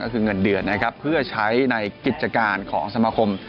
ก็คือเงินเดือนนะครับเพื่อใช้ในกิจการของสมาคม